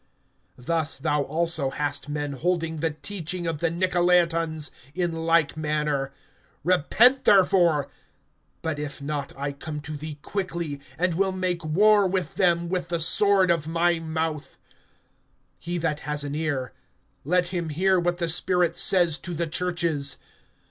(15)Thus thou also hast men holding the teaching of the Nicolaitans, in like manner. (16)Repent therefore; but if not, I come to thee quickly, and will make war with them, with the sword of my mouth. (17)He that has an ear, let him hear what the Spirit says to the churches.